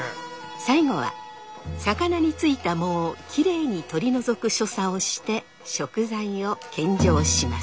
最後は魚についた藻をきれいに取り除く所作をして食材を献上します。